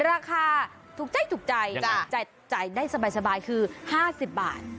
ราคาถูกใจถูกใจยังไงจ่ายจ่ายได้สบายคือห้าสิบบาท